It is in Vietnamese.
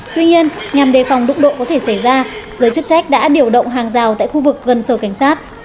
tuy nhiên nhằm đề phòng đụng độ có thể xảy ra giới chức trách đã điều động hàng rào tại khu vực gần sâu cảnh sát